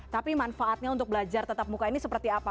tapi manfaatnya untuk belajar tetap muka ini seperti apa